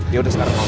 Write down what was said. yaudah sekarang ros